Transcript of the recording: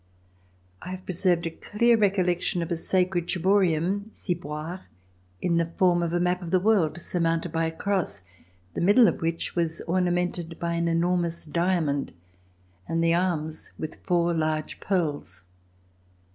I have preserved a clear recollection of a sacred ciborium (ciboire), in the form of a map of the world surmounted by a cross, the middle of which was ornamented by an enormous diamond and the arms with four large pearls.